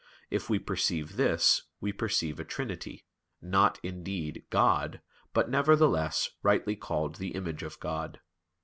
If we perceive this, we perceive a trinity, not, indeed, God, but, nevertheless, rightly called the image of God."